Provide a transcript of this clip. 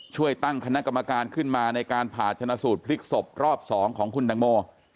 ช่วยตั้งคณะกรรมการขึ้นมาในการผ่าชนะสูตรพลิกศพรอบ๒ของคุณตังโม